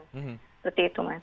seperti itu mas